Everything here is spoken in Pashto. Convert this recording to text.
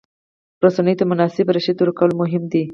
رسنیو ته مناسب رشد ورکول مهم دي.